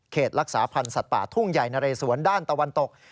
รักษาพันธ์สัตว์ป่าทุ่งใหญ่นะเรสวนด้านตะวันตก